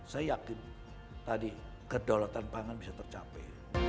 saya yakin tadi kedaulatan pangan bisa tercapai